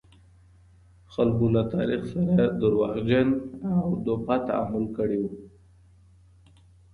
خلګو له تاریخ سره دروغجن او دوپه تعامل کړی و.